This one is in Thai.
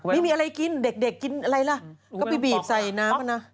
ไม่มีอะไรกินเด็กกินอะไรล่ะก็ไปบีบใส่น้ำอ่ะนะ